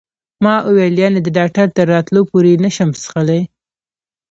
ما وویل: یعنې د ډاکټر تر راتلو پورې یې نه شم څښلای؟